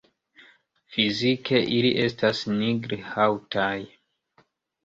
Fizike ili estas nigr-haŭtaj.